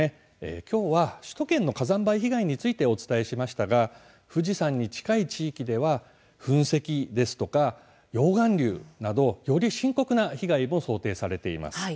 きょうは首都圏の火山灰被害についてお伝えしましたが富士山に近い地域では噴石ですとか溶岩流など、より深刻な被害も想定されています。